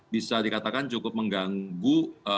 bisa dikatakan cukup mengganggu